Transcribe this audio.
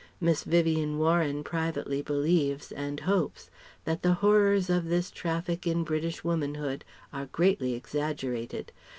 Miss Vivien Warren privately believes and hopes that the horrors of this traffic in British womanhood are greatly exaggerated.